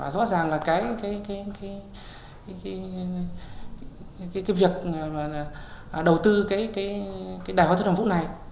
rõ ràng là việc đầu tư đại hội thuật hồng phúc này